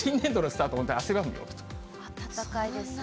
暖かいですね。